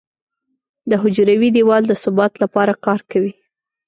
د حجروي دیوال د ثبات لپاره کار کوي.